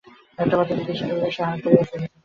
একটা কথা জিজ্ঞাসা করিলে সে হাঁ করিয়া চাহিয়া থাকিত।